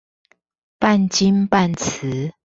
半金半瓷